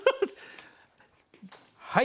はい！